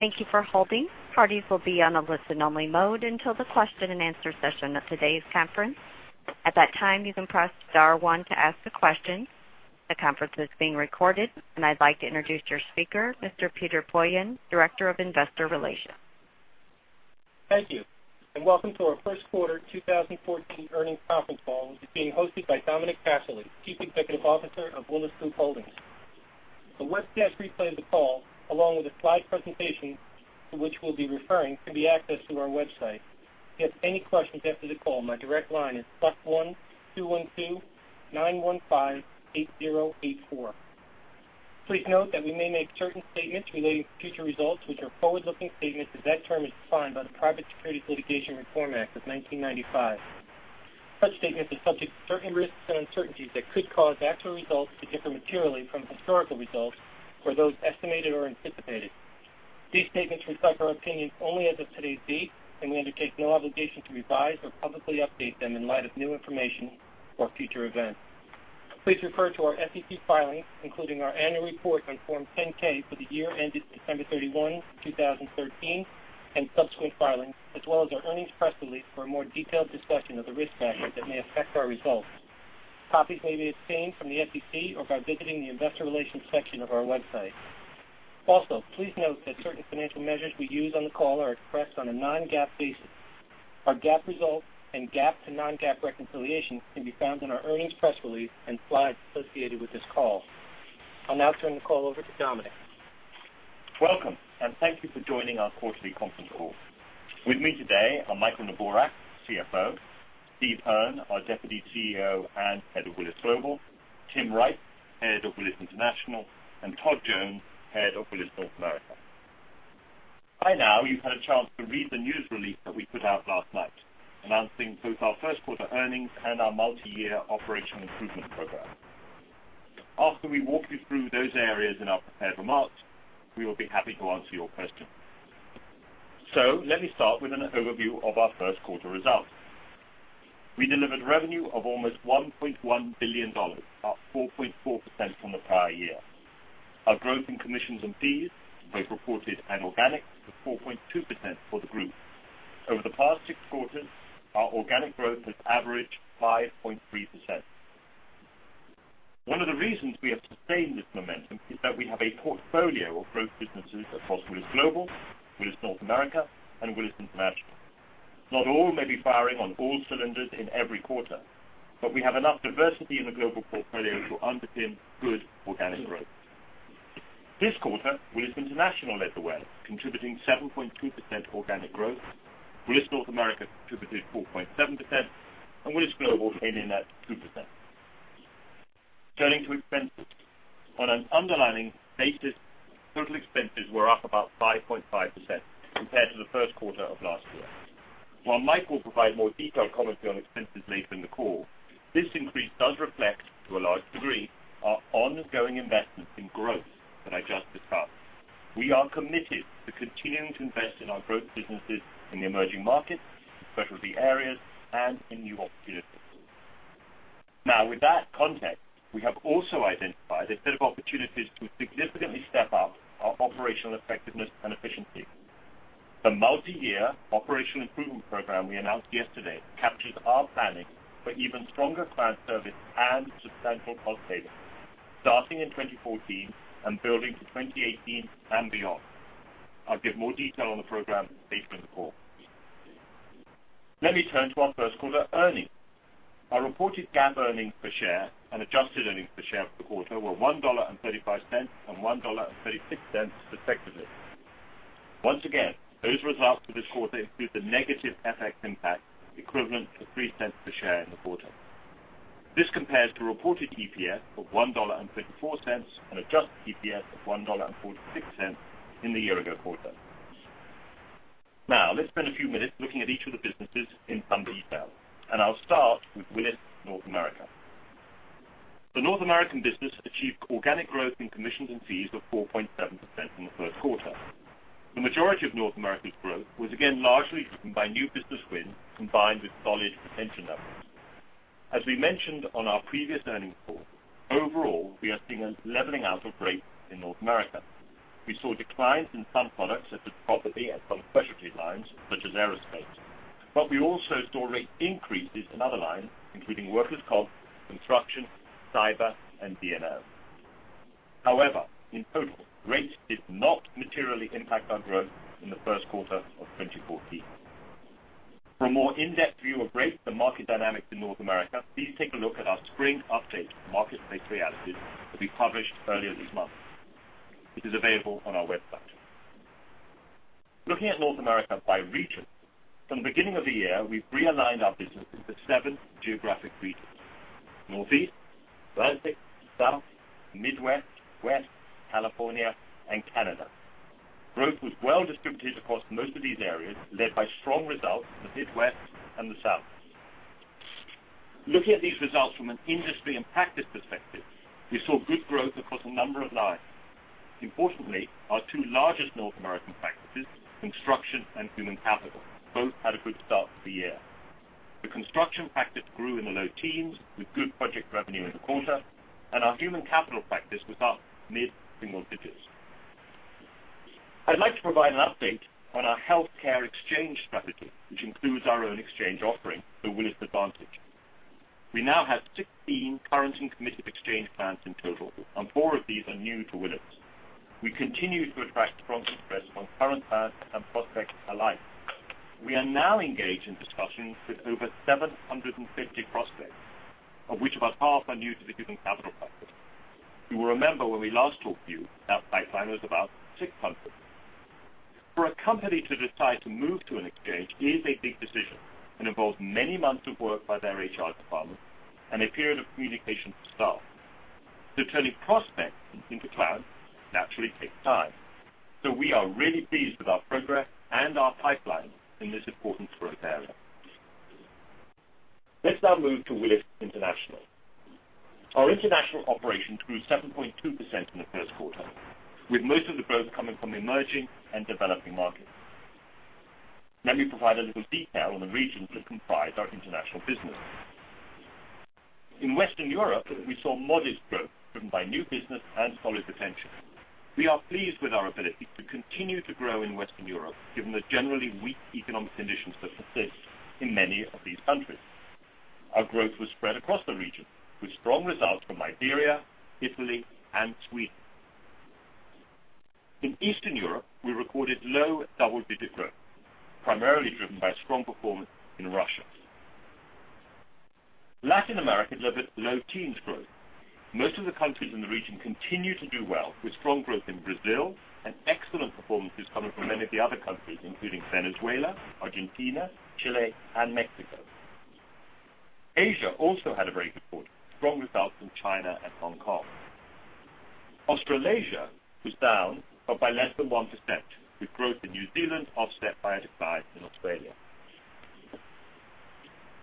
Thank you for holding. Parties will be on a listen-only mode until the question and answer session of today's conference. At that time, you can press star one to ask a question. The conference is being recorded, and I'd like to introduce your speaker, Mr. Peter Poillon, Director of Investor Relations. Thank you. Welcome to our first quarter 2014 earnings conference call, which is being hosted by Dominic Casserley, Chief Executive Officer of Willis Group Holdings. A webcast replay of the call, along with a slide presentation to which we'll be referring, can be accessed through our website. If you have any questions after the call, my direct line is +1-212-915-8084. Please note that we may make certain statements relating to future results, which are forward-looking statements as that term is defined by the Private Securities Litigation Reform Act of 1995. Such statements are subject to certain risks and uncertainties that could cause actual results to differ materially from historical results or those estimated or anticipated. These statements reflect our opinions only as of today's date, and we undertake no obligation to revise or publicly update them in light of new information or future events. Please refer to our SEC filings, including our annual report on Form 10-K for the year ended December 31, 2013, and subsequent filings, as well as our earnings press release for a more detailed discussion of the risk factors that may affect our results. Copies may be obtained from the SEC or by visiting the investor relations section of our website. Also, please note that certain financial measures we use on the call are expressed on a non-GAAP basis. Our GAAP results and GAAP to non-GAAP reconciliations can be found on our earnings press release and slides associated with this call. I'll now turn the call over to Dominic. Welcome. Thank you for joining our quarterly conference call. With me today are Michael Neborak, CFO, Steve Hearn, our Deputy CEO and Head of Willis Global, Tim Wright, Head of Willis International, and Todd Jones, Head of Willis North America. By now, you've had a chance to read the news release that we put out last night announcing both our first quarter earnings and our multi-year operational improvement program. After we walk you through those areas in our prepared remarks, we will be happy to answer your questions. Let me start with an overview of our first quarter results. We delivered revenue of almost $1.1 billion, up 4.4% from the prior year. Our growth in commissions and fees, both reported and organic, was 4.2% for the group. Over the past six quarters, our organic growth has averaged 5.3%. One of the reasons we have sustained this momentum is that we have a portfolio of growth businesses across Willis Global, Willis North America, and Willis International. Not all may be firing on all cylinders in every quarter, but we have enough diversity in the global portfolio to underpin good organic growth. This quarter, Willis International led the way, contributing 7.2% organic growth. Willis North America contributed 4.7%, and Willis Global came in at 2%. Turning to expenses. On an underlying basis, total expenses were up about 5.5% compared to the first quarter of last year. While Mike will provide more detailed commentary on expenses later in the call, this increase does reflect, to a large degree, our ongoing investments in growth that I just discussed. We are committed to continuing to invest in our growth businesses in the emerging markets, specialty areas, and in new opportunities. With that context, we have also identified a set of opportunities to significantly step up our operational effectiveness and efficiency. The multi-year operational improvement program we announced yesterday captures our planning for even stronger client service and substantial cost savings. Starting in 2014 and building to 2018 and beyond. I'll give more detail on the program later in the call. Let me turn to our first quarter earnings. Our reported GAAP earnings per share and adjusted earnings per share for the quarter were $1.35 and $1.36 respectively. Once again, those results for this quarter include the negative FX impact equivalent to $0.03 per share in the quarter. This compares to reported EPS of $1.34 and adjusted EPS of $1.46 in the year-ago quarter. Let's spend a few minutes looking at each of the businesses in some detail, and I'll start with Willis North America. The North American business achieved organic growth in commissions and fees of 4.7% in the first quarter. The majority of North America's growth was again largely driven by new business wins combined with solid retention levels. As we mentioned on our previous earnings call, overall, we are seeing a leveling out of rates in North America. We saw declines in some products such as property and some specialty lines such as aerospace, but we also saw rate increases in other lines, including workers' comp, construction, cyber, and D&O. However, in total, rates did not materially impact our growth in the first quarter of 2014. For a more in-depth view of rates and market dynamics in North America, please take a look at our spring update, Marketplace Realities, that we published earlier this month. It is available on our website. Looking at North America by region, from the beginning of the year, we've realigned our businesses to seven geographic regions. Northeast, Atlantic, South, Midwest, West, California, and Canada. Growth was well distributed across most of these areas, led by strong results in the Midwest and the South. Looking at these results from an industry and practice perspective, we saw good growth across a number of lines. Importantly, our two largest North American practices, construction and human capital, both had a good start to the year. The construction practice grew in the low teens with good project revenue in the quarter, and our human capital practice was up mid-single digits. I'd like to provide an update on our healthcare exchange strategy, which includes our own exchange offering through Willis Advantage. We now have 16 current and committed exchange plans in total, and four of these are new to Willis. We continue to attract strong interest from current plans and prospects alike. We are now engaged in discussions with over 750 prospects, of which about half are new to the human capital practice. You will remember when we last talked to you, that pipeline was about 600. For a company to decide to move to an exchange is a big decision and involves many months of work by their HR department and a period of communication with staff. Turning prospects into clients naturally takes time. We are really pleased with our progress and our pipeline in this important growth area. Let's now move to Willis International. Our international operations grew 7.2% in the first quarter, with most of the growth coming from emerging and developing markets. Let me provide a little detail on the regions that comprise our international business. In Western Europe, we saw modest growth driven by new business and solid retention. We are pleased with our ability to continue to grow in Western Europe, given the generally weak economic conditions that persist in many of these countries. Our growth was spread across the region with strong results from Iberia, Italy, and Sweden. In Eastern Europe, we recorded low double-digit growth, primarily driven by strong performance in Russia. Latin America delivered low teens growth. Most of the countries in the region continue to do well with strong growth in Brazil and excellent performances coming from many of the other countries, including Venezuela, Argentina, Chile, and Mexico. Asia also had a very good quarter with strong results in China and Hong Kong. Australasia was down but by less than 1%, with growth in New Zealand offset by a decline in Australia.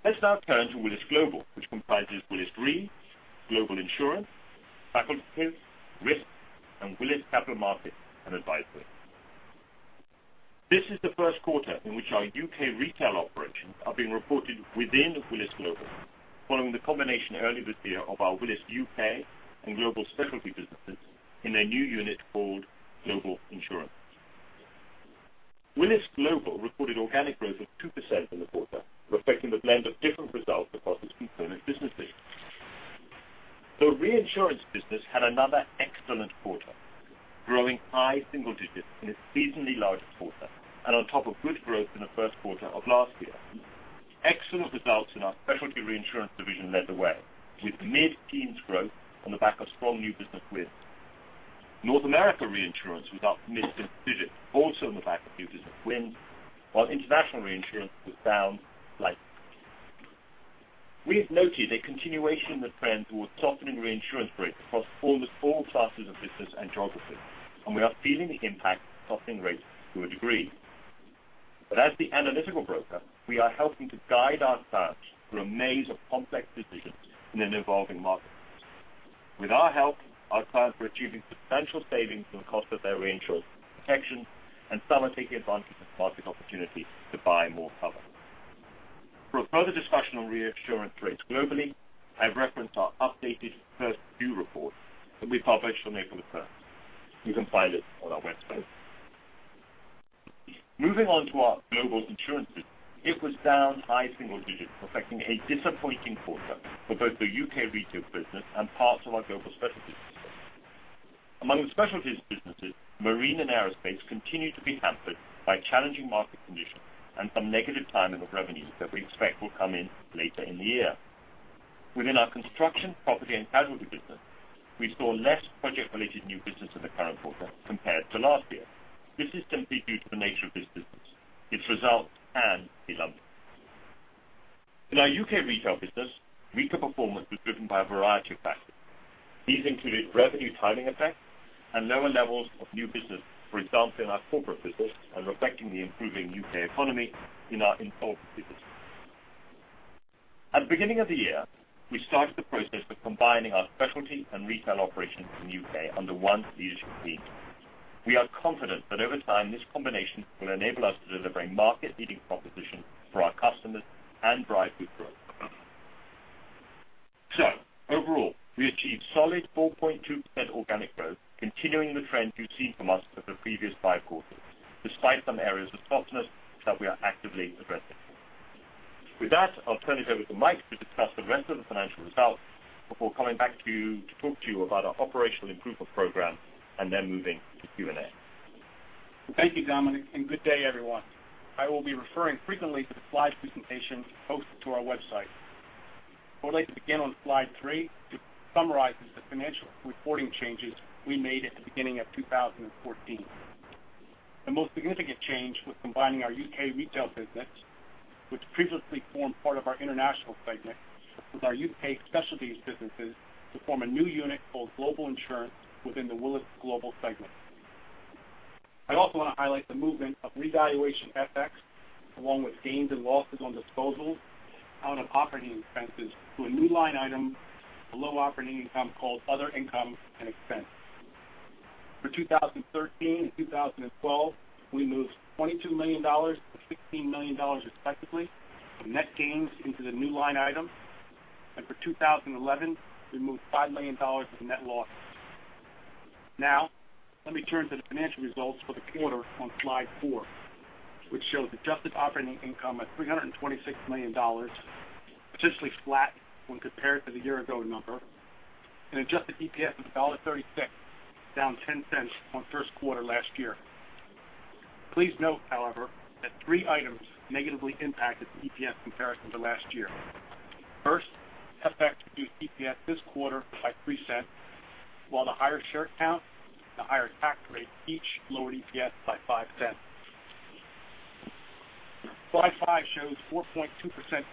Let's now turn to Willis Global, which comprises Willis Re, Global Insurance, Facultatives, Risk, and Willis Capital Markets & Advisory. This is the first quarter in which our U.K. retail operations are being reported within Willis Global, following the combination earlier this year of our Willis UK and global specialty businesses in a new unit called Global Insurance. Willis Global reported organic growth of 2% in the quarter, reflecting the blend of different results across its component businesses. The reinsurance business had another excellent quarter, growing high single digits in a seasonally larger quarter and on top of good growth in the first quarter of last year. Excellent results in our specialty reinsurance division led the way with mid-teens growth on the back of strong new business wins. North America reinsurance was up mid-single digits, also on the back of new business wins, while international reinsurance was down slightly. We have noted a continuation of the trend towards softening reinsurance rates across almost all classes of business and geographies. We are feeling the impact of softening rates to a degree. As the analytical broker, we are helping to guide our clients through a maze of complex decisions in an evolving market. With our help, our clients are achieving substantial savings on the cost of their reinsurance protection. Some are taking advantage of market opportunities to buy more cover. For a further discussion on reinsurance rates globally, I reference our updated First View report that we published on April the 1st. You can find it on our website. Moving on to our Global Insurance business. It was down high single digits, reflecting a disappointing quarter for both the U.K. retail business and parts of our global specialty business. Among the specialties businesses, marine and aerospace continued to be hampered by challenging market conditions and some negative timing of revenues that we expect will come in later in the year. Within our construction, property, and casualty business, we saw less project-related new business in the current quarter compared to last year. This is simply due to the nature of this business. Its results can be lumpy. In our U.K. retail business, weaker performance was driven by a variety of factors. These included revenue timing effects and lower levels of new business, for example, in our corporate business and reflecting the improving U.K. economy in our important business. At the beginning of the year, we started the process of combining our specialty and retail operations in the U.K. under one leadership team. Overall, we achieved solid 4.2% organic growth, continuing the trend you've seen from us for the previous five quarters, despite some areas of softness that we are actively addressing. With that, I'll turn it over to Mike to discuss the rest of the financial results before coming back to you to talk to you about our operational improvement program and then moving to Q&A. Thank you, Dominic, and good day, everyone. I will be referring frequently to the slide presentation posted to our website. I would like to begin on slide three, which summarizes the financial reporting changes we made at the beginning of 2014. The most significant change was combining our U.K. retail business, which previously formed part of our international segment, with our U.K. specialties businesses to form a new unit called Global Insurance within the Willis Global segment. I also want to highlight the movement of revaluation FX, along with gains and losses on disposal out of operating expenses to a new line item below operating income called Other Income and Expense. For 2013 and 2012, we moved $22 million-$16 million respectively from net gains into the new line item. For 2011, we moved $5 million of net losses. Let me turn to the financial results for the quarter on slide four, which shows adjusted operating income at $326 million, potentially flat when compared to the year ago number and adjusted EPS of $1.36, down $0.10 from first quarter last year. Please note, however, that three items negatively impacted the EPS comparison to last year. First, FX reduced EPS this quarter by $0.03, while the higher share count and the higher tax rate each lowered EPS by $0.05. Slide five shows 4.2%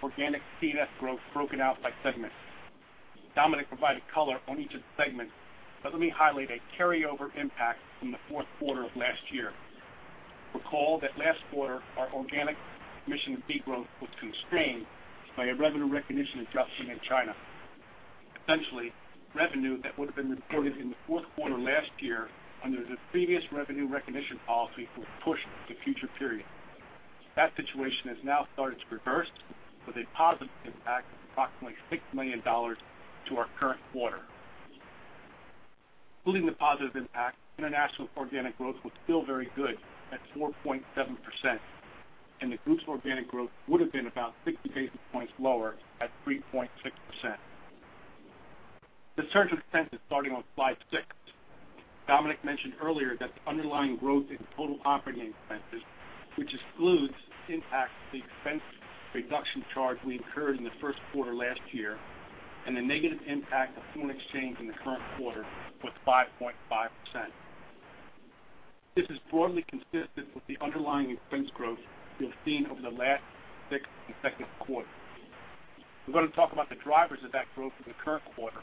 organic C&F growth broken out by segment. Dominic provided color on each of the segments, but let me highlight a carryover impact from the fourth quarter of last year. Recall that last quarter our organic commission and fee growth was constrained by a revenue recognition adjustment in China. Revenue that would have been reported in the fourth quarter last year under the previous revenue recognition policy was pushed to future periods. That situation has now started to reverse with a positive impact of approximately $6 million to our current quarter. Including the positive impact, International organic growth was still very good at 4.7%, and the group's organic growth would have been about 60 basis points lower at 3.6%. The surge of expenses starting on slide six. Dominic mentioned earlier that the underlying growth in total operating expenses, which excludes the impact of the expense reduction charge we incurred in the first quarter last year, and the negative impact of foreign exchange in the current quarter was 5.5%. This is broadly consistent with the underlying expense growth we have seen over the last six consecutive quarters. We're going to talk about the drivers of that growth in the current quarter,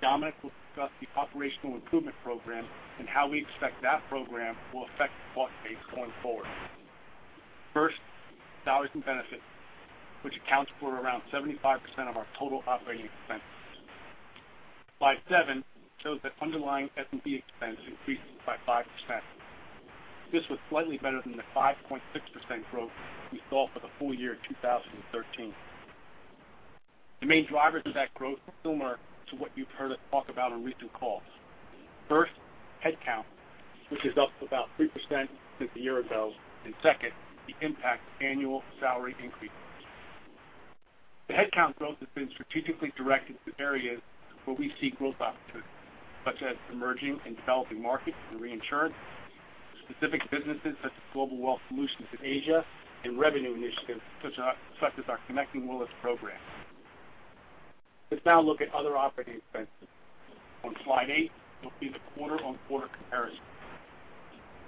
Dominic will discuss the operational improvement program and how we expect that program will affect the cost base going forward. First, salaries and benefits, which accounts for around 75% of our total operating expenses. Slide seven shows that underlying S&B expenses increased by 5%. This was slightly better than the 5.6% growth we saw for the full year 2013. The main drivers of that growth are similar to what you've heard us talk about on recent calls. First, headcount, which is up about 3% since a year ago, and second, the impact of annual salary increases. The headcount growth has been strategically directed to areas where we see growth opportunities, such as emerging and developing markets in reinsurance, specific businesses such as Global Wealth Solutions in Asia, and revenue initiatives such as our Connecting Willis program. Let's now look at other operating expenses. On slide eight, you'll see the quarter-on-quarter comparison.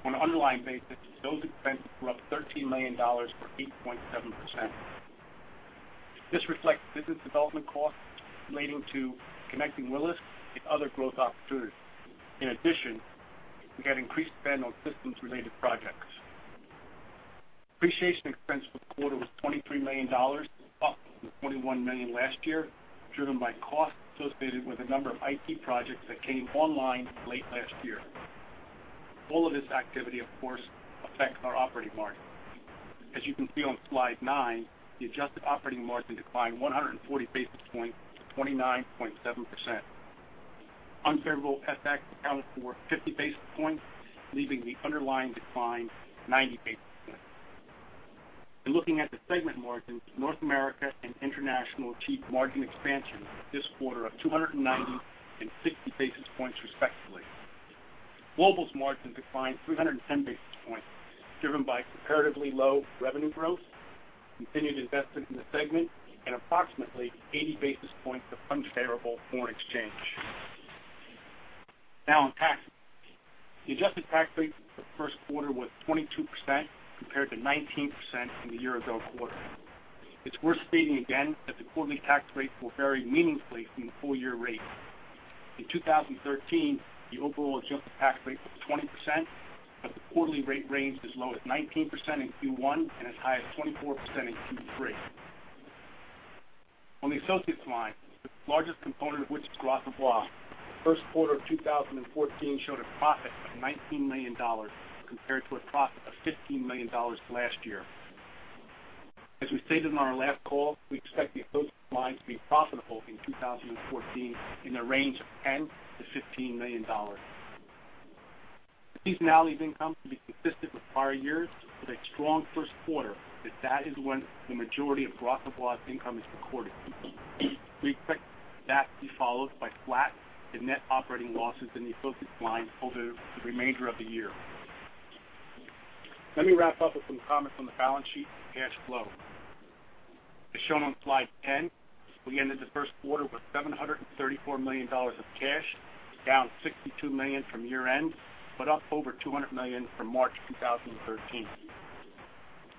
On an underlying basis, those expenses were up $13 million or 8.7%. This reflects business development costs relating to Connecting Willis and other growth opportunities. In addition, we had increased spend on systems-related projects. Depreciation expense for the quarter was $23 million, up from $21 million last year, driven by costs associated with a number of IT projects that came online late last year. All of this activity, of course, affects our operating margin. As you can see on slide nine, the adjusted operating margin declined 140 basis points to 29.7%. Unfavorable FX accounted for 50 basis points, leaving the underlying decline 90 basis points. In looking at the segment margins, North America and International achieved margin expansion this quarter of 290 and 60 basis points respectively. Global's margin declined 310 basis points, driven by comparatively low revenue growth, continued investment in the segment, and approximately 80 basis points of unfavorable foreign exchange. On taxes. The adjusted tax rate for the first quarter was 22% compared to 19% in the year-ago quarter. It's worth stating again that the quarterly tax rate will vary meaningfully from the full-year rate. In 2013, the overall adjusted tax rate was 20%, but the quarterly rate ranged as low as 19% in Q1 and as high as 24% in Q3. On the Associates line, the largest component of which is Gras Savoye, the first quarter of 2014 showed a profit of $19 million compared to a profit of $15 million last year. As we stated on our last call, we expect the Associates line to be profitable in 2014 in the range of $10 million to $15 million. The seasonality of income should be consistent with prior years with a strong first quarter, as that is when the majority of Gras Savoye income is recorded. We expect that to be followed by flat to net operating losses in the Associates line over the remainder of the year. Let me wrap up with some comments on the balance sheet and cash flow. As shown on slide 10, we ended the first quarter with $734 million of cash, down $62 million from year-end, but up over $200 million from March 2013.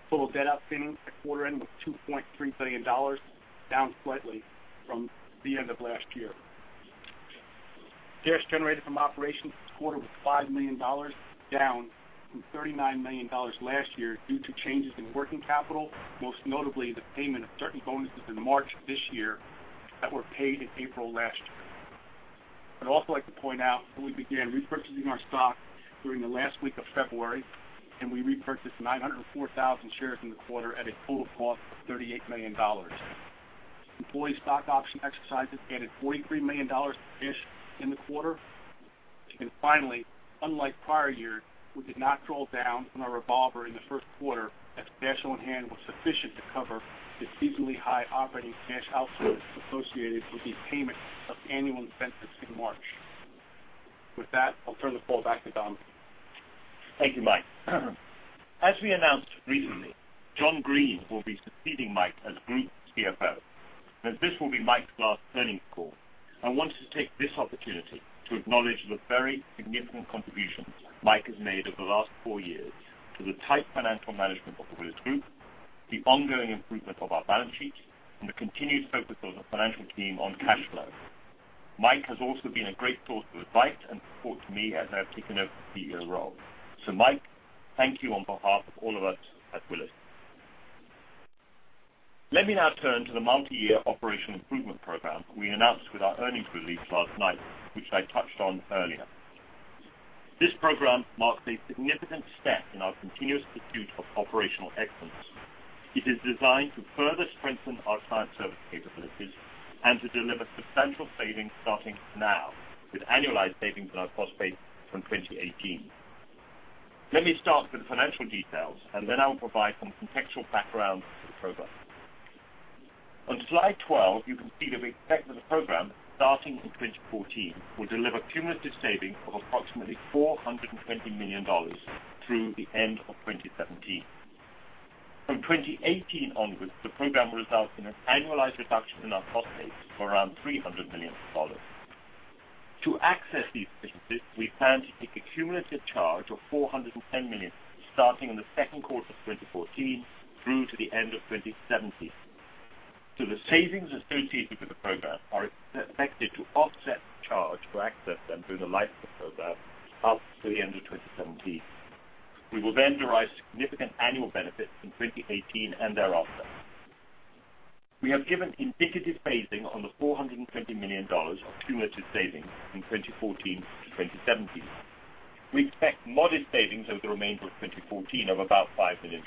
Total debt outstanding at quarter-end was $2.3 billion, down slightly from the end of last year. Cash generated from operations this quarter was $5 million, down from $39 million last year due to changes in working capital, most notably the payment of certain bonuses in March of this year that were paid in April last year. I'd also like to point out that we began repurchasing our stock during the last week of February, and we repurchased 904,000 shares in the quarter at a total cost of $38 million. Employee stock option exercises added $43 million to cash in the quarter. Finally, unlike prior years, we did not draw down on our revolver in the first quarter as cash on hand was sufficient to cover the seasonally high operating cash outflows associated with the payment of annual incentives in March. With that, I'll turn the call back to Dominic. Thank you, Mike. As we announced recently, John Greene will be succeeding Mike as Group CFO. As this will be Mike's last earnings call, I wanted to take this opportunity to acknowledge the very significant contributions Mike has made over the last four years to the tight financial management of the Willis Group, the ongoing improvement of our balance sheet, and the continued focus of the financial team on cash flow. Mike has also been a great source of advice and support to me as I have taken over the CEO role. Mike, thank you on behalf of all of us at Willis. Let me now turn to the multi-year operation improvement program we announced with our earnings release last night, which I touched on earlier. This program marks a significant step in our continuous pursuit of operational excellence. It is designed to further strengthen our client service capabilities and to deliver substantial savings starting now, with annualized savings that are cost-based from 2018. Let me start with the financial details, then I will provide some contextual background to the program. On slide 12, you can see that we expect that the program, starting in 2014, will deliver cumulative savings of approximately $420 million through the end of 2017. From 2018 onwards, the program will result in an annualized reduction in our cost base of around $300 million. To access these efficiencies, we plan to take a cumulative charge of $410 million starting in the second quarter of 2014 through to the end of 2017. The savings associated with the program are expected to offset the charge to access them through the life of the program up to the end of 2017. We will derive significant annual benefits in 2018 and thereafter. We have given indicative phasing on the $420 million of cumulative savings in 2014-2017. We expect modest savings over the remainder of 2014 of about $5 million.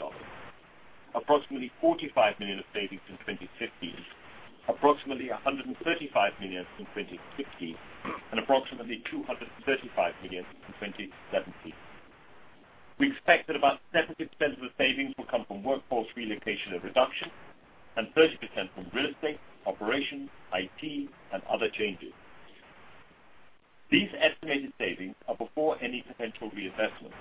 Approximately $45 million of savings in 2015, approximately $135 million in 2016, and approximately $235 million in 2017. We expect that about 70% of the savings will come from workforce relocation and reduction, and 30% from real estate, operations, IT, and other changes. These estimated savings are before any potential reinvestment.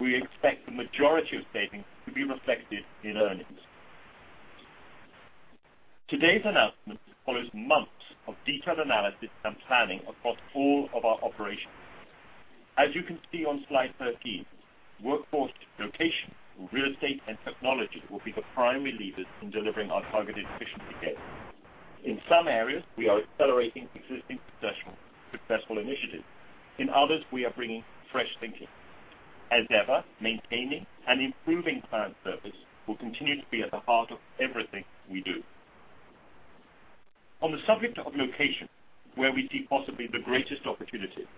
We expect the majority of savings to be reflected in earnings. Today's announcement follows months of detailed analysis and planning across all of our operations. As you can see on slide 13, workforce location, real estate, and technology will be the primary levers in delivering our targeted efficiency gains. In some areas, we are accelerating existing successful initiatives. In others, we are bringing fresh thinking. As ever, maintaining and improving client service will continue to be at the heart of everything we do. On the subject of location, where we see possibly the greatest opportunity,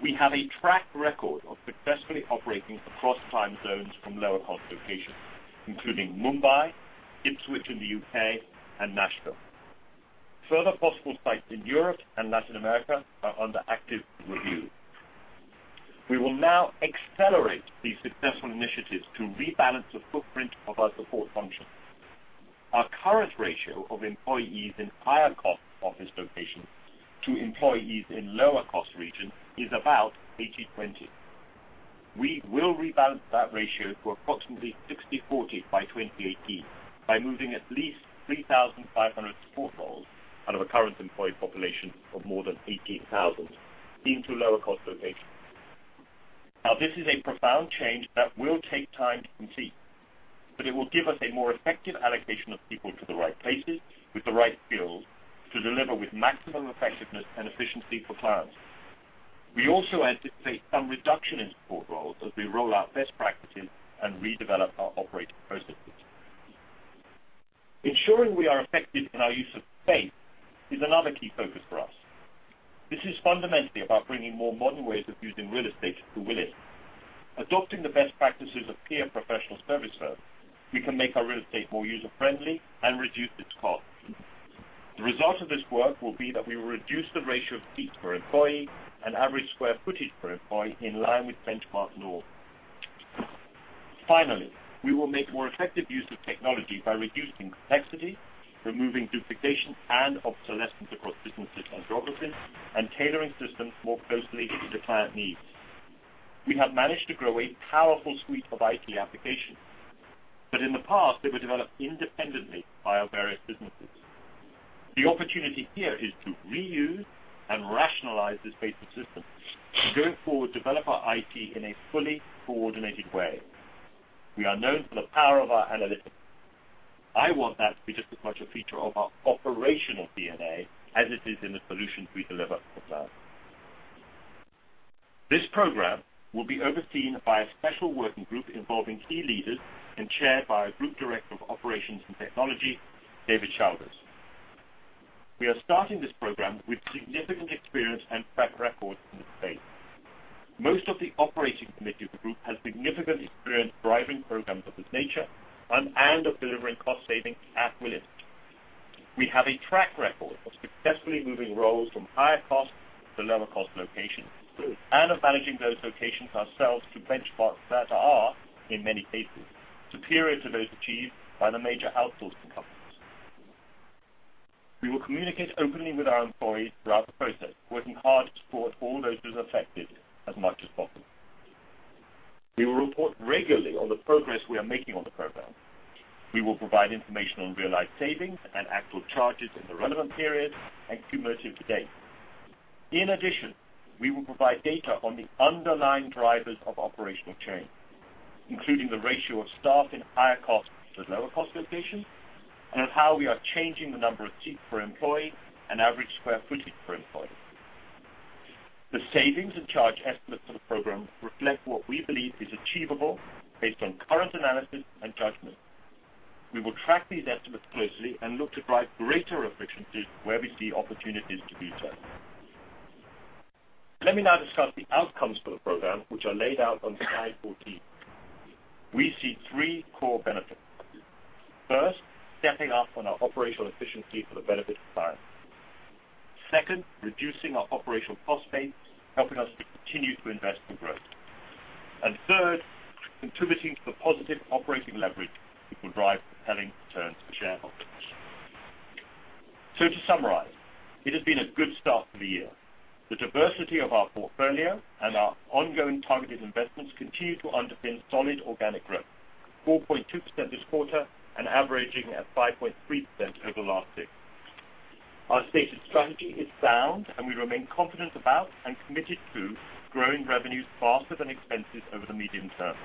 we have a track record of successfully operating across time zones from lower-cost locations, including Mumbai, Ipswich in the U.K., and Nashville. Further possible sites in Europe and Latin America are under active review. We will accelerate these successful initiatives to rebalance the footprint of our support functions. Our current ratio of employees in higher-cost office locations to employees in lower-cost regions is about 80/20. We will rebalance that ratio to approximately 60/40 by 2018 by moving at least 3,500 support roles out of a current employee population of more than 18,000 into lower-cost locations. This is a profound change that will take time to complete, but it will give us a more effective allocation of people to the right places with the right skills to deliver with maximum effectiveness and efficiency for clients. We also anticipate some reduction in support roles as we roll out best practices and redevelop our operating processes. Ensuring we are effective in our use of space is another key focus for us. This is fundamentally about bringing more modern ways of using real estate to Willis. Adopting the best practices of peer professional service firms, we can make our real estate more user-friendly and reduce its cost. The result of this work will be that we will reduce the ratio of feet per employee and average square footage per employee in line with benchmark norms. Finally, we will make more effective use of technology by reducing complexity, removing duplication and obsolescence across businesses and geographies, and tailoring systems more closely to the client needs. We have managed to grow a powerful suite of IT applications, in the past, they were developed independently by our various businesses. The opportunity here is to reuse and rationalize this basic system. Going forward, we will develop our IT in a fully coordinated way. We are known for the power of our analytics. I want that to be just as much a feature of our operational DNA as it is in the solutions we deliver to clients. This program will be overseen by a special working group involving key leaders and chaired by our Group Director of Operations and Technology, David Shalders. We are starting this program with significant experience and track record in this space. Most of the operating committee of the group has significant experience driving programs of this nature and of delivering cost savings at Willis. We have a track record of successfully moving roles from higher-cost to lower-cost locations and of managing those locations ourselves to benchmarks that are, in many cases, superior to those achieved by the major outsourcing companies. We will communicate openly with our employees throughout the process, working hard to support all those who are affected as much as possible. We will report regularly on the progress we are making on the program. We will provide information on realized savings and actual charges in the relevant periods and cumulative to date. In addition, we will provide data on the underlying drivers of operational change, including the ratio of staff in higher-cost to lower-cost locations and on how we are changing the number of seats per employee and average square footage per employee. The savings and charge estimates for the program reflect what we believe is achievable based on current analysis and judgment. We will track these estimates closely and look to drive greater efficiencies where we see opportunities to be had. Let me now discuss the outcomes for the program, which are laid out on slide 14. We see three core benefits. First, stepping up on our operational efficiency for the benefit of clients. Second, reducing our operational cost base, helping us to continue to invest for growth. Third, contributing to positive operating leverage that will drive compelling returns for shareholders. To summarize, it has been a good start to the year. The diversity of our portfolio and our ongoing targeted investments continue to underpin solid organic growth, 4.2% this quarter and averaging at 5.3% over the last six. Our stated strategy is sound, we remain confident about and committed to growing revenues faster than expenses over the medium term.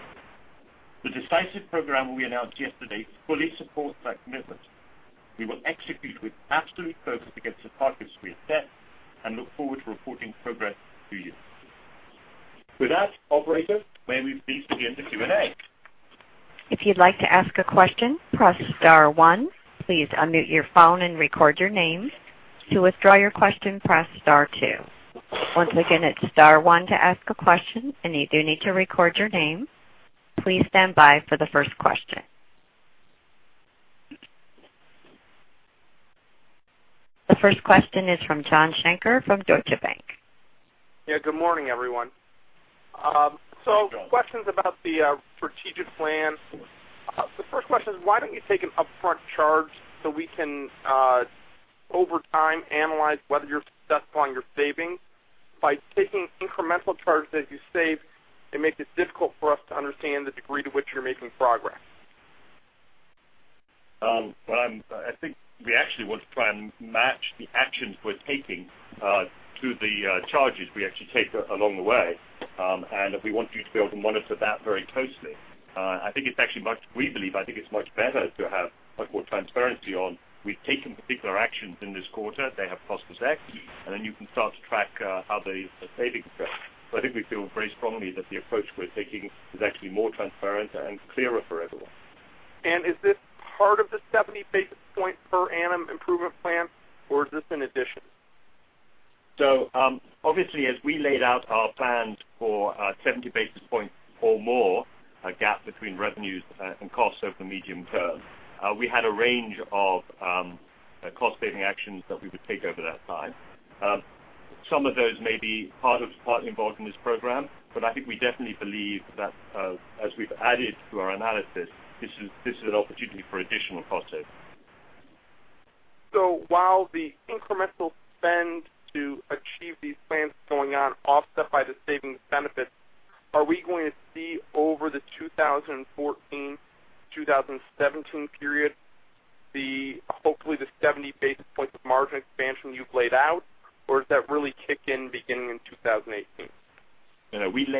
The decisive program we announced yesterday fully supports that commitment. We will execute with absolute focus against the targets we have set and look forward to reporting progress to you. With that, operator, may we please begin the Q&A? If you'd like to ask a question, press star one. Please unmute your phone and record your name. To withdraw your question, press star two. Once again, it's star one to ask a question, and you do need to record your name. Please stand by for the first question. The first question is from Joshua Shanker from Deutsche Bank. Yeah, good morning, everyone. Good morning, Joshua. Questions about the strategic plan. The first question is, why don't you take an upfront charge so we can, over time, analyze whether you're successful on your savings? By taking incremental charges as you save, it makes it difficult for us to understand the degree to which you're making progress. I think we actually want to try and match the actions we're taking to the charges we actually take along the way, and we want you to be able to monitor that very closely. We believe, I think it's much better to have much more transparency on, we've taken particular actions in this quarter, they have cost X, and then you can start to track how the savings go. I think we feel very strongly that the approach we're taking is actually more transparent and clearer for everyone. Is this part of the 70 basis point per annum improvement plan, or is this in addition? Obviously, as we laid out our plans for 70 basis points or more, a gap between revenues and costs over the medium term, we had a range of cost-saving actions that we would take over that time. Some of those may be partly involved in this program. I think we definitely believe that as we've added to our analysis, this is an opportunity for additional cost saves. While the incremental spend to achieve these plans going on offset by the savings benefits, are we going to see over the 2014-2017 period, hopefully the 70 basis points of margin expansion you've laid out, or does that really kick in beginning in 2018? No, no. It's a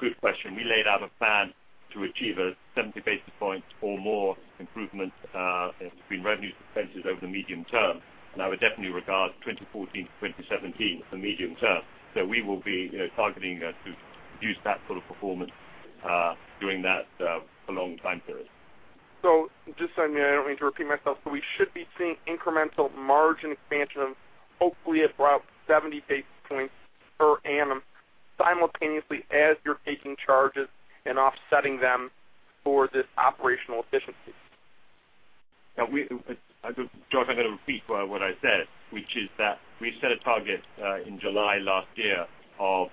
good question. We laid out a plan to achieve a 70 basis points or more improvement between revenues to expenses over the medium term. I would definitely regard 2014 to 2017 as the medium term. We will be targeting to produce that sort of performance during that long time period. Just so I don't need to repeat myself, we should be seeing incremental margin expansion of hopefully about 70 basis points per annum simultaneously as you're taking charges and offsetting them for this operational efficiency. John, I'm going to repeat what I said, which is that we set a target in July last year of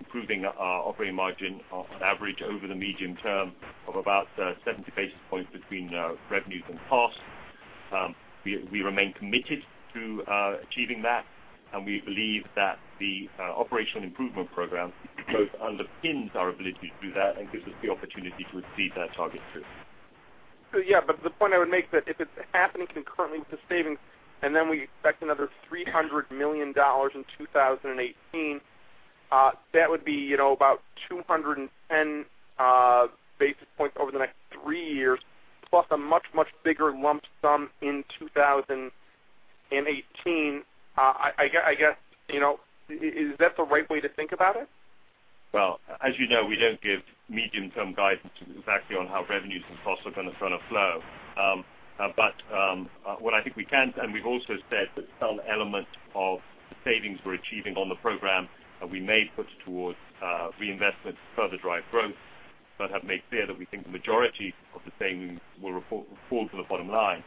improving our operating margin of an average over the medium term of about 70 basis points between revenues and costs. We remain committed to achieving that, and we believe that the operational improvement program both underpins our ability to do that and gives us the opportunity to exceed that target too. The point I would make that if it's happening concurrently with the savings, and then we expect another $300 million in 2018. That would be about 210 basis points over the next three years, plus a much, much bigger lump sum in 2018. I guess, is that the right way to think about it? As you know, we don't give medium-term guidance exactly on how revenues and costs are going to flow. What I think we can, and we've also said that some element of the savings we're achieving on the program, we may put towards reinvestment to further drive growth, but have made clear that we think the majority of the savings will fall to the bottom line.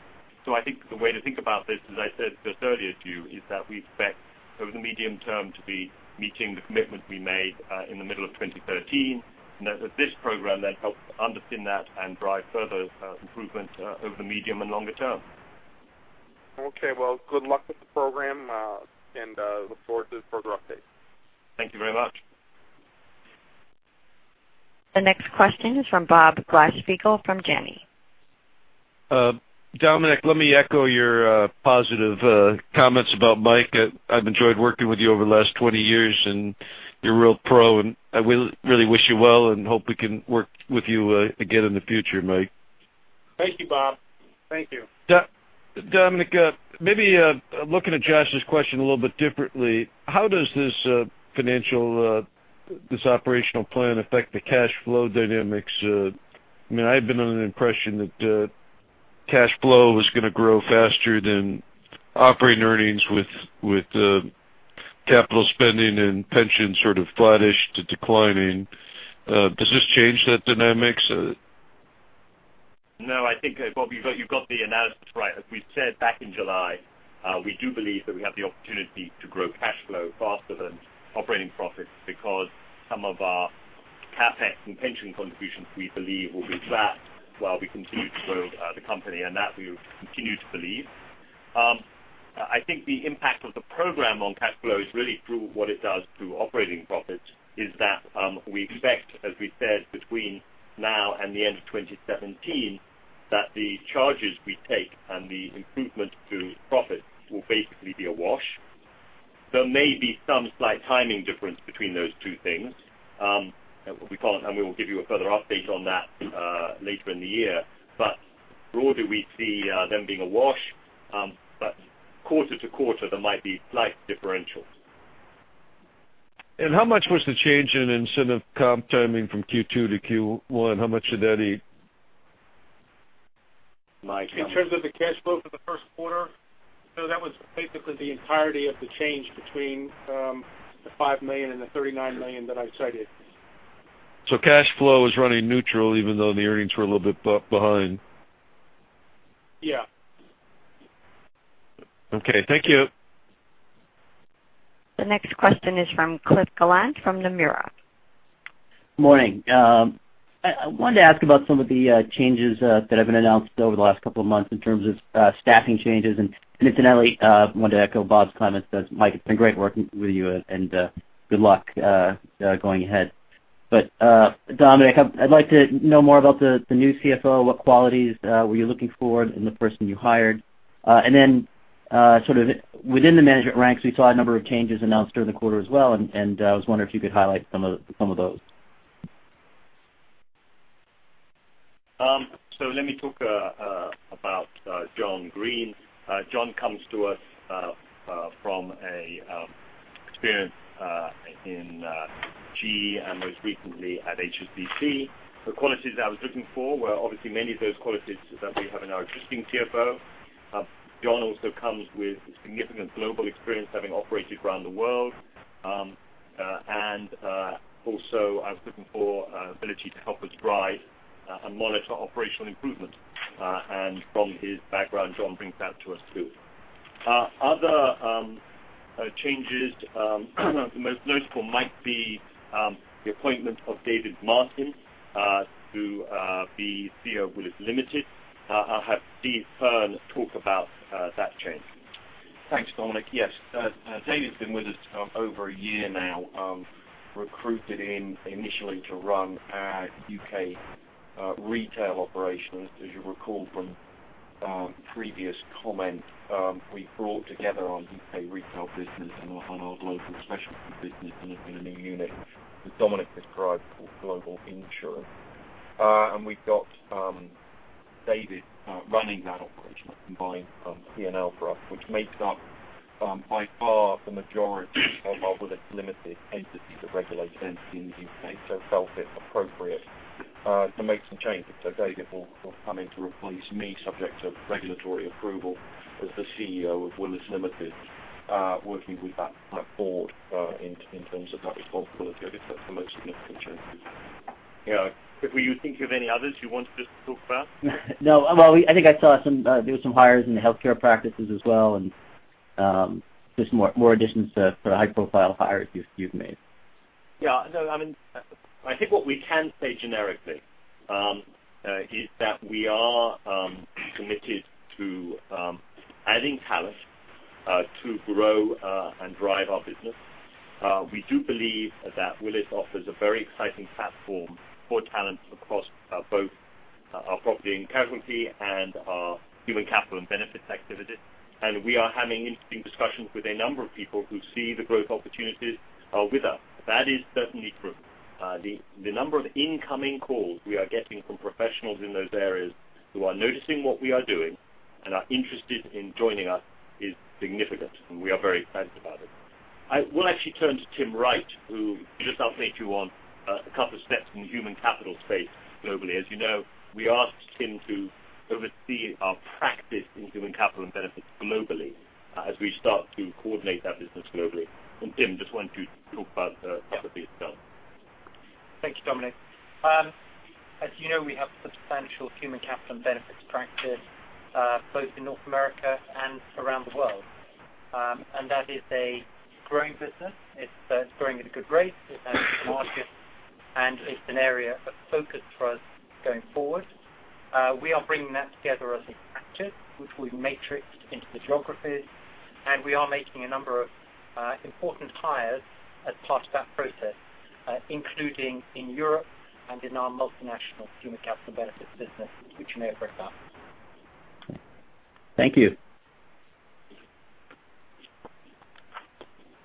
I think the way to think about this, as I said just earlier to you, is that we expect over the medium term to be meeting the commitment we made in the middle of 2013, and that this program then helps underpin that and drive further improvement over the medium and longer term. Okay. Well, good luck with the program, and look forward to further updates. Thank you very much. The next question is from Bob Glasspiegel from Janney. Dominic, let me echo your positive comments about Mike. I've enjoyed working with you over the last 20 years, and you're a real pro, and I really wish you well and hope we can work with you again in the future, Mike. Thank you, Bob. Thank you. Dominic, maybe looking at Josh's question a little bit differently, how does this financial, this operational plan affect the cash flow dynamics? I've been under the impression that cash flow was going to grow faster than operating earnings with capital spending and pension sort of flattish to declining. Does this change that dynamic? I think, Bob, you've got the analysis right. As we said back in July, we do believe that we have the opportunity to grow cash flow faster than operating profits because some of our CapEx and pension contributions, we believe, will be flat while we continue to grow the company, and that we continue to believe. I think the impact of the program on cash flow is really through what it does to operating profits is that we expect, as we said, between now and the end of 2017, that the charges we take and the improvement to profits will basically be a wash. There may be some slight timing difference between those two things. We can't. We will give you a further update on that later in the year. Broadly, we see them being a wash. Quarter-to-quarter, there might be slight differentials. How much was the change in incentive comp timing from Q2 to Q1? How much did that eat? Mike? In terms of the cash flow for the first quarter? No, that was basically the entirety of the change between the $5 million and the $39 million that I cited. Cash flow is running neutral, even though the earnings were a little bit behind. Yeah. Okay. Thank you. The next question is from Cliff Gallant from Nomura. Morning. I wanted to ask about some of the changes that have been announced over the last couple of months in terms of staffing changes. Incidentally, I wanted to echo Bob's comments. Mike, it's been great working with you, and good luck going ahead. Dominic, I'd like to know more about the new CFO. What qualities were you looking for in the person you hired? Within the management ranks, we saw a number of changes announced during the quarter as well, and I was wondering if you could highlight some of those. Let me talk about John Greene. John comes to us from experience in GE and most recently at HSBC. The qualities I was looking for were obviously many of those qualities that we have in our existing CFO. John also comes with significant global experience, having operated around the world. I was looking for ability to help us drive and monitor operational improvement. From his background, John brings that to us, too. Other changes the most notable might be the appointment of David Martin to be CEO of Willis Limited. I'll have Steve Hearn talk about that change. Thanks, Dominic. Yes. David's been with us over a year now. Recruited in initially to run our U.K. retail operations. As you recall from previous comment, we brought together our U.K. retail business and our global specialty business in a new unit that Dominic has described called Global Insurance. We've got David running that operation, that combined P&L for us, which makes up by far the majority of our Willis Limited entity, the regulated entity in the U.K. Felt it appropriate to make some changes. David will be coming to replace me, subject to regulatory approval, as the CEO of Willis Limited, working with that board in terms of that responsibility. I guess that's the most significant changes. Yeah. Were you thinking of any others you wanted to talk about? No. Well, I think I saw there were some hires in the healthcare practices as well, and just more additions to the high-profile hires you've made. Yeah. No, I think what we can say generically is that we are committed to adding talent to grow and drive our business. We do believe that Willis offers a very exciting platform for talent across both our property and casualty and our human capital and benefits activities. We are having interesting discussions with a number of people who see the growth opportunities with us. That is certainly true. The number of incoming calls we are getting from professionals in those areas who are noticing what we are doing and are interested in joining us is significant, and we are very excited about it. I will actually turn to Tim Wright, who just I'll take you on a couple of steps in the human capital space globally. As you know, we asked Tim to oversee our practice in human capital and benefits globally as we start to coordinate that business globally. Tim, just want you to talk about the topic itself. Thank you, Dominic. As you know, we have substantial human capital and benefits practice both in North America and around the world. That is a growing business. It's growing at a good rate. It has a good market, and it's an area of focus for us going forward. We are bringing that together as a practice, which we've matrixed into the geographies. We are making a number of important hires as part of that process, including in Europe and in our multinational human capital benefits business, which you may have read about. Thank you.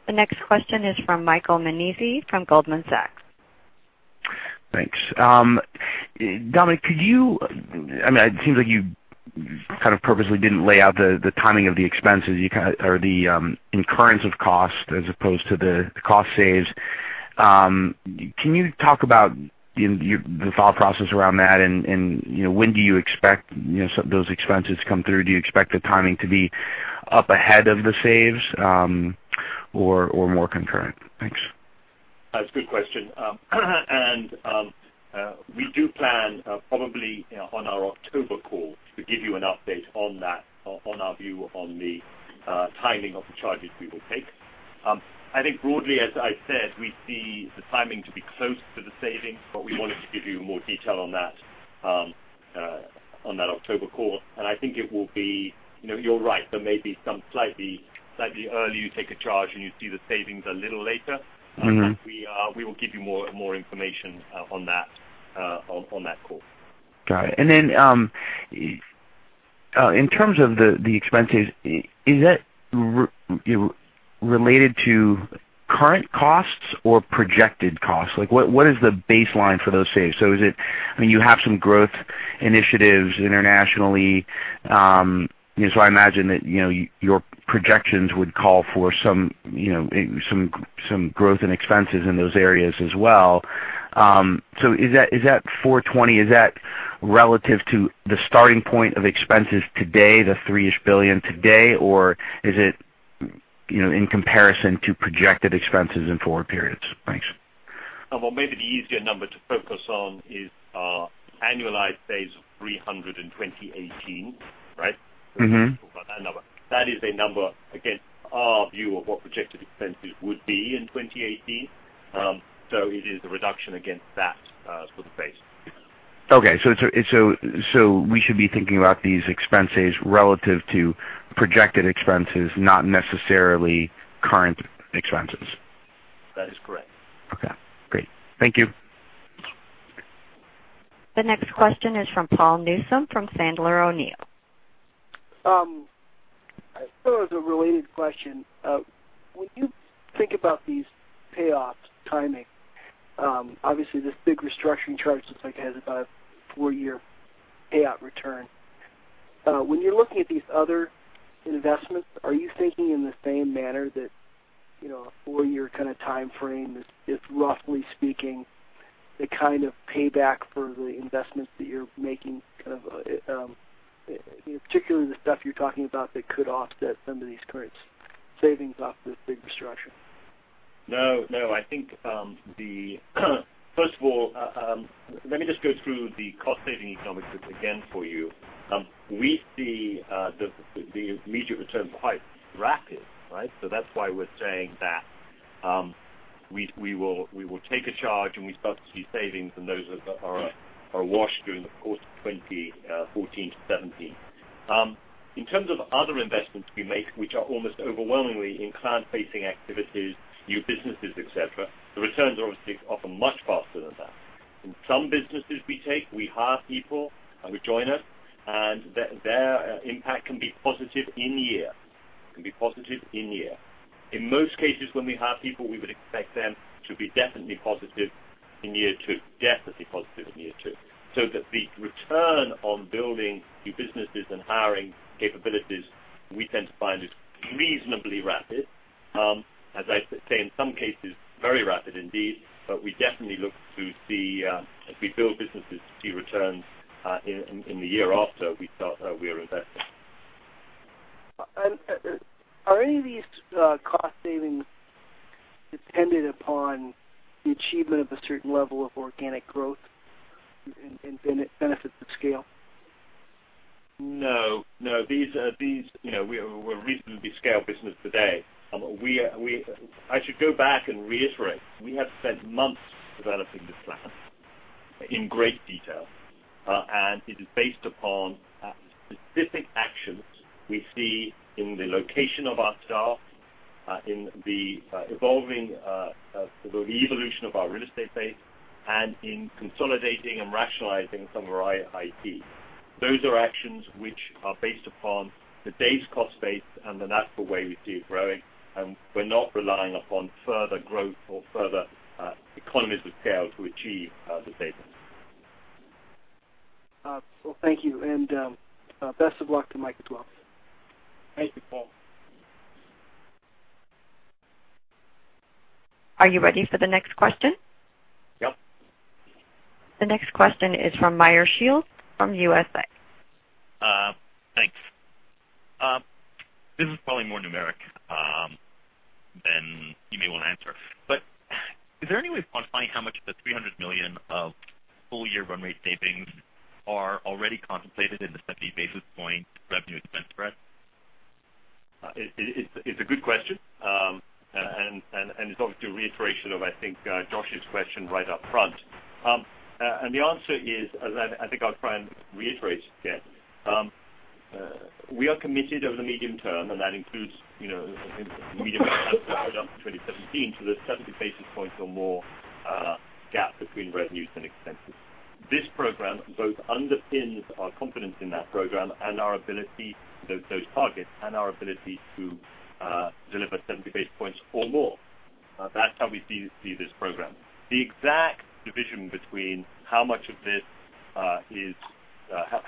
The next question is from Michael Nannizzi from Goldman Sachs. Thanks. Dominic, it seems like you kind of purposely didn't lay out the timing of the expenses or the incurrence of cost as opposed to the cost saves. Can you talk about the thought process around that, and when do you expect those expenses come through? Do you expect the timing to be up ahead of the saves or more concurrent? Thanks. That's a good question. We do plan probably on our October call to give you an update on that, on our view on the timing of the charges we will take. I think broadly, as I said, we see the timing to be close to the savings, but we wanted to give you more detail on that October call. I think it will be You're right. There may be some slightly early you take a charge, and you see the savings a little later. We will give you more information on that call. Got it. In terms of the expenses, is that related to current costs or projected costs? What is the baseline for those saves? I mean, you have some growth initiatives internationally. I imagine that your projections would call for some growth and expenses in those areas as well. Is that 420, is that relative to the starting point of expenses today, the three-ish billion today, or is it in comparison to projected expenses in forward periods? Thanks. Well, maybe the easier number to focus on is our annualized pace of 300 in 2018, right? Talk about that number. That is a number against our view of what projected expenses would be in 2018. It is a reduction against that for the base. Okay. We should be thinking about these expenses relative to projected expenses, not necessarily current expenses. That is correct. Okay, great. Thank you. The next question is from Paul Newsome from Sandler O'Neill. Sort of a related question. When you think about these payoffs timing, obviously this big restructuring charge looks like it has about a 4-year payout return. When you're looking at these other investments, are you thinking in the same manner that a 4-year kind of timeframe is, roughly speaking, the kind of payback for the investments that you're making, particularly the stuff you're talking about that could offset some of these current savings off this big restructuring? No. First of all, let me just go through the cost-saving economics again for you. We see the immediate return for quite rapid, right? That's why we're saying that we will take a charge, and we start to see savings and those are awash during the course of 2014-2017. In terms of other investments we make, which are almost overwhelmingly in client-facing activities, new businesses, et cetera, the returns are obviously often much faster than that. In some businesses we take, we hire people who join us, and their impact can be positive in-year. In most cases, when we hire people, we would expect them to be definitely positive in year two. The return on building new businesses and hiring capabilities we tend to find is reasonably rapid. As I say, in some cases, very rapid indeed. We definitely look to see as we build businesses to see returns in the year after we start we are investing. Are any of these cost savings dependent upon the achievement of a certain level of organic growth in benefits of scale? No. We're a reasonably scaled business today. I should go back and reiterate. We have spent months developing this plan in great detail. It is based upon specific actions we see in the location of our staff, in the evolution of our real estate base and in consolidating and rationalizing some of our IT. Those are actions which are based upon the base cost base and the natural way we see it growing. We're not relying upon further growth or further economies of scale to achieve the savings. Well, thank you. Best of luck to Mike as well. Thank you, Paul. Are you ready for the next question? Yep. The next question is from Meyer Shields from KBW. Thanks. This is probably more numeric than you may want to answer. Is there any way of quantifying how much of the $300 million of full-year run rate savings are already contemplated in the 70 basis points revenue expense spread? It's a good question. It's obviously a reiteration of, I think, Josh's question right up front. The answer is, I think I'll try and reiterate again. We are committed over the medium term, and that includes the medium term out to 2017, to the 70 basis points or more gap between revenues and expenses. This program both underpins our confidence in that program and those targets, and our ability to deliver 70 basis points or more. That's how we see this program. The exact division between how much of this is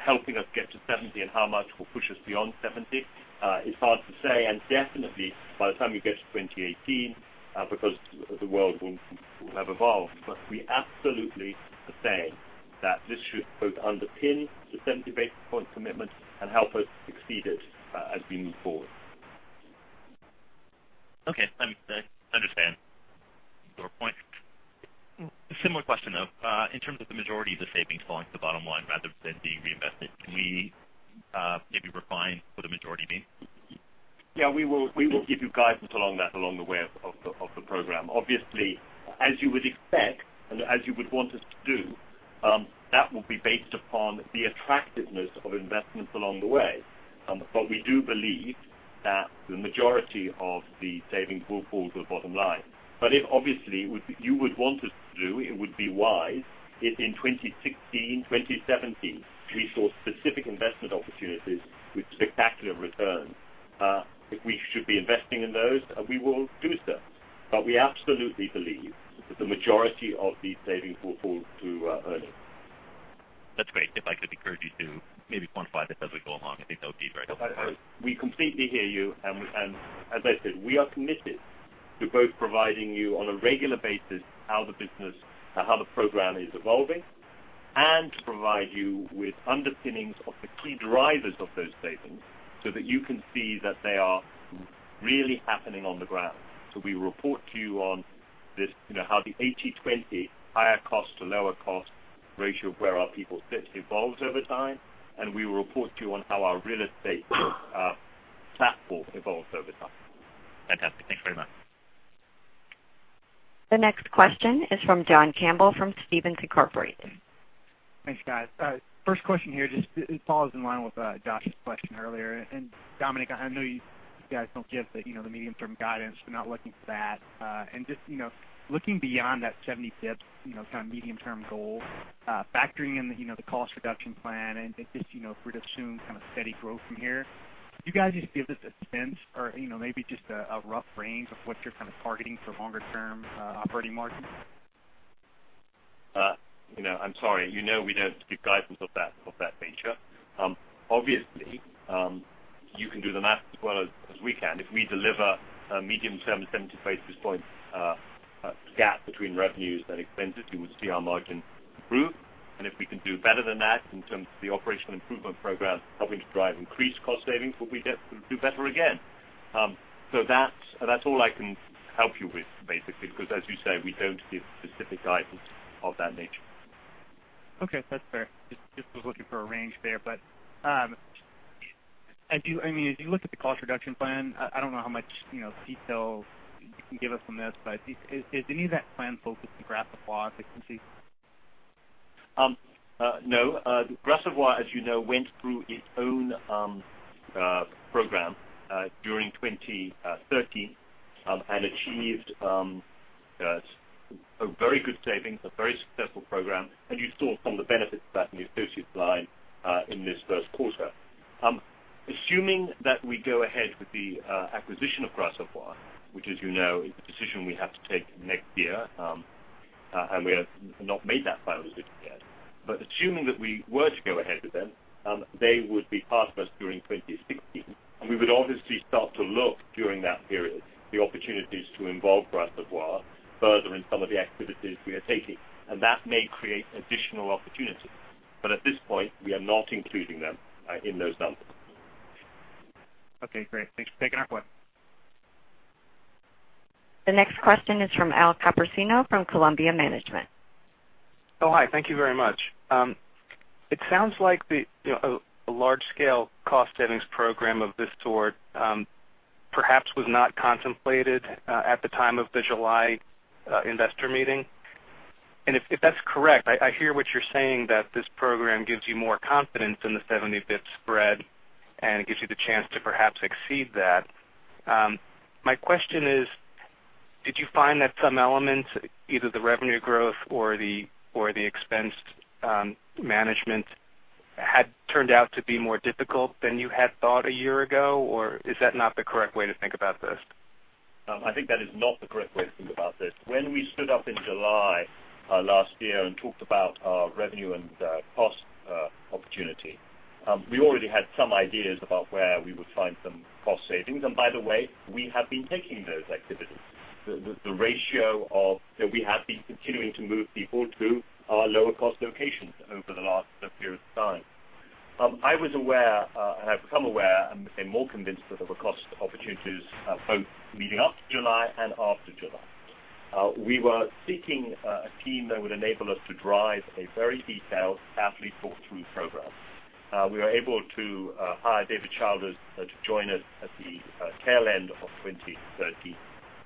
helping us get to 70 and how much will push us beyond 70 is hard to say. Definitely by the time you get to 2018, because the world will have evolved. We absolutely are saying that this should both underpin the 70 basis points commitment and help us exceed it as we move forward. Okay. I understand your point. A similar question, though. In terms of the majority of the savings falling to the bottom line rather than being reinvested, can we maybe refine what the majority means? Yeah, we will give you guidance along that along the way of the program. Obviously, as you would expect and as you would want us to do, that will be based upon the attractiveness of investments along the way. We do believe that the majority of the savings will fall to the bottom line. If, obviously, you would want us to do, it would be wise if in 2016, 2017, we saw specific investment opportunities with spectacular returns. If we should be investing in those, we will do so. We absolutely believe that the majority of these savings will fall to earnings. That's great. If I could encourage you to maybe quantify this as we go along, I think that would be very helpful. We completely hear you. As I said, we are committed to both providing you on a regular basis how the program is evolving, and to provide you with underpinnings of the key drivers of those savings so that you can see that they are really happening on the ground. We report to you on how the 80/20 higher cost to lower cost ratio where our people sit evolves over time. We will report to you on how our real estate platform evolves over time. Fantastic. Thanks very much. The next question is from John Campbell from Stephens Inc.. Thanks, guys. First question here just follows in line with Josh's question earlier. Dominic, I know you guys don't give the medium-term guidance. We're not looking for that. Just looking beyond that 70 basis points medium-term goal, factoring in the cost reduction plan and if we're to assume steady growth from here, do you guys just give us a sense or maybe just a rough range of what you're targeting for longer-term operating margins? I'm sorry. You know we don't give guidance of that nature. Obviously, you can do the math as well as we can. If we deliver a medium-term 70 basis points gap between revenues and expenses, you would see our margin improve. If we can do better than that in terms of the operational improvement program helping to drive increased cost savings, we'll do better again. That's all I can help you with, basically, because as you say, we don't give specific guidance of that nature. Okay. That's fair. Just was looking for a range there. As you look at the cost reduction plan, I don't know how much detail you can give us on this, but is any of that plan focused on Gras Savoye efficiency? No. Gras Savoye, as you know, went through its own program during 2013 and achieved a very good savings, a very successful program. You saw some of the benefits of that in the associates line in this first quarter. Assuming that we go ahead with the acquisition of Gras Savoye, which as you know, is a decision we have to take next year. We have not made that final decision yet. Assuming that we were to go ahead with them, they would be part of us during 2016. We would obviously start to look during that period the opportunities to involve Gras Savoye further in some of the activities we are taking. That may create additional opportunities. At this point, we are not including them in those numbers. Okay, great. Thanks for taking our question. The next question is from Al Copersino from Columbia Management. Oh, hi. Thank you very much. It sounds like a large-scale cost savings program of this sort perhaps was not contemplated at the time of the July investor meeting. If that's correct, I hear what you're saying, that this program gives you more confidence in the 70 basis point spread, and it gives you the chance to perhaps exceed that. My question is, did you find that some elements, either the revenue growth or the expense management, had turned out to be more difficult than you had thought a year ago? Is that not the correct way to think about this? I think that is not the correct way to think about this. When we stood up in July last year and talked about our revenue and cost opportunity, we already had some ideas about where we would find some cost savings. By the way, we have been taking those activities. The ratio of that we have been continuing to move people to our lower cost locations over the last period of time. I was aware, I've become aware and become more convinced that there were cost opportunities both leading up to July and after July. We were seeking a team that would enable us to drive a very detailed, carefully thought-through program. We were able to hire David Shalders to join us at the tail end of 2013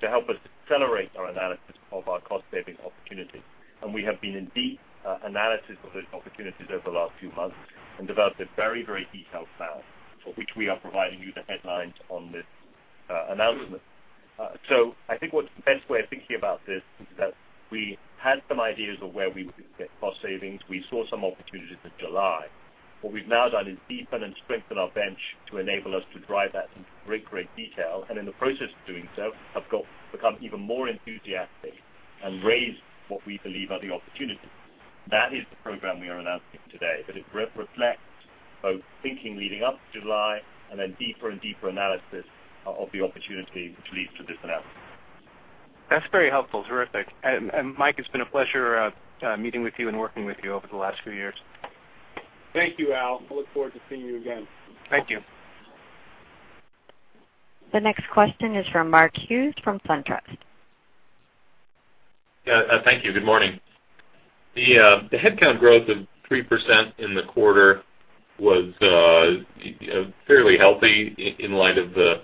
to help us accelerate our analysis of our cost-saving opportunities. We have been in deep analysis of those opportunities over the last few months and developed a very detailed plan for which we are providing you the headlines on this announcement. I think what the best way of thinking about this is that we had some ideas of where we would get cost savings. We saw some opportunities in July. What we've now done is deepen and strengthen our bench to enable us to drive that into great detail, and in the process of doing so, have become even more enthusiastic and raised what we believe are the opportunities. That is the program we are announcing today, that it reflects both thinking leading up to July and then deeper and deeper analysis of the opportunity which leads to this announcement. That's very helpful. Terrific. Mike, it's been a pleasure meeting with you and working with you over the last few years. Thank you, Al. I look forward to seeing you again. Thank you. The next question is from Mark Hughes from SunTrust. Yeah. Thank you. Good morning. The headcount growth of 3% in the quarter was fairly healthy in light of the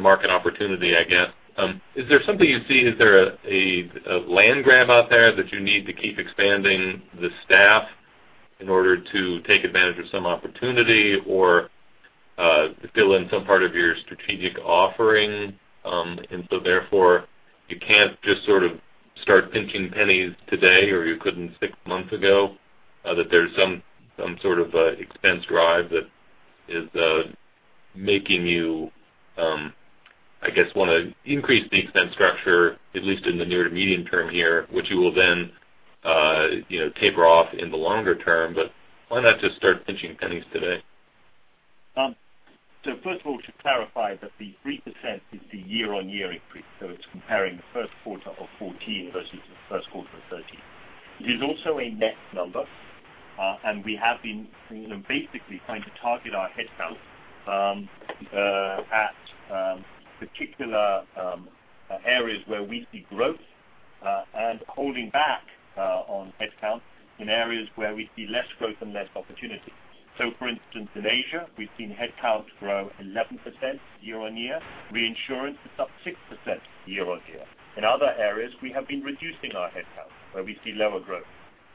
market opportunity, I guess. Is there something you see, is there a land grab out there that you need to keep expanding the staff in order to take advantage of some opportunity or fill in some part of your strategic offering? Therefore, you can't just sort of start pinching pennies today, or you couldn't six months ago, that there's some sort of expense drive that is making you, I guess, want to increase the expense structure, at least in the near to medium term here, which you will then taper off in the longer term. Why not just start pinching pennies today? First of all, to clarify that the 3% is the year-on-year increase, it's comparing the first quarter of 2014 versus the first quarter of 2013. It is also a net number. We have been basically trying to target our headcount at particular areas where we see growth and holding back on headcount in areas where we see less growth and less opportunity. For instance, in Asia, we've seen headcount grow 11% year-on-year. Reinsurance is up 6% year-on-year. In other areas, we have been reducing our headcount where we see lower growth.